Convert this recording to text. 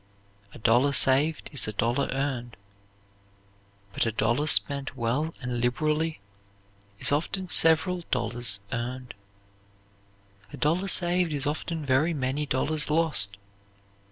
"A dollar saved is a dollar earned," but a dollar spent well and liberally is often several dollars earned. A dollar saved is often very many dollars lost.